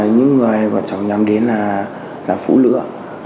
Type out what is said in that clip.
những người bọn cháu nhằm đến là phũ lửa